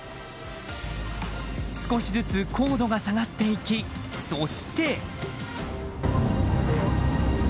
少しずつ高度が下がっていきそして。